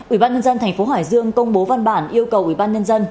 ủy ban nhân dân thành phố hải dương công bố văn bản yêu cầu ủy ban nhân dân